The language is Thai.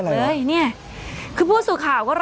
โห้ยสงสารอ่ะ